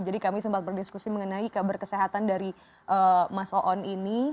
jadi kami sempat berdiskusi mengenai kabar kesehatan dari mas oon ini